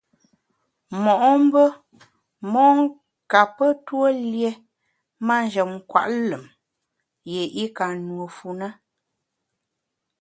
Mo’mbe mon kape tue lié manjem nkwet lùm yié i ka nùe fu na.